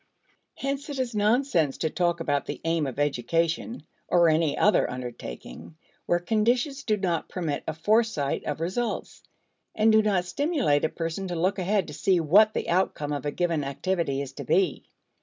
Hence it is nonsense to talk about the aim of education or any other undertaking where conditions do not permit of foresight of results, and do not stimulate a person to look ahead to see what the outcome of a given activity is to be.